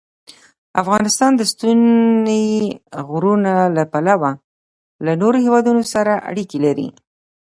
افغانستان د ستوني غرونه له پلوه له نورو هېوادونو سره اړیکې لري.